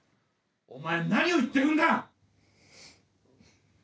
お前何を言ってるんだ！